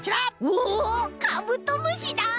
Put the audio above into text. おおカブトムシだ！